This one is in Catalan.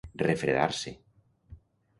Refredar-se